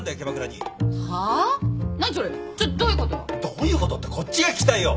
どういうことってこっちが聞きたいよ。